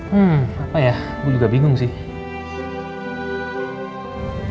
hmm apa ya gue juga bingung sih